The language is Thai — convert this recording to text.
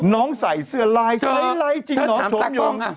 น้องใส่เสื้อลายใช้ลายจริงเหรอฉมยง